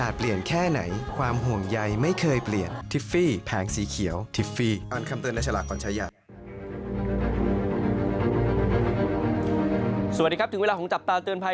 สวัสดีครับถึงเวลาของจับตาเตือนภัย